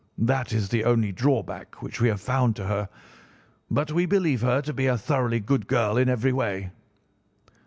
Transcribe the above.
That is the only drawback which we have found to her, but we believe her to be a thoroughly good girl in every way.